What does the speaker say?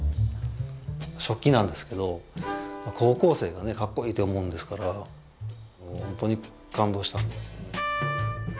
食器なんですけど高校生がねかっこいいって思うんですから本当に感動したんですよね。